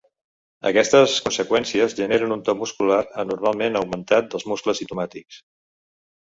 Aquestes conseqüències generen un to muscular anormalment augmentat dels muscles simptomàtics.